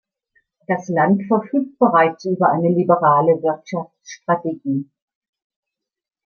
Das Land verfügt bereits über eine liberale Wirtschaftsstrategie.